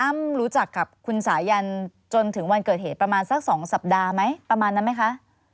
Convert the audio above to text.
รู้จักกับคุณสายันจนถึงวันเกิดเหตุประมาณสัก๒สัปดาห์ไหมประมาณนั้นไหมคะ